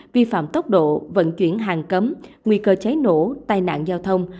vi phạm tốc độ vận chuyển hàng cấm nguy cơ cháy nổ tai nạn giao thông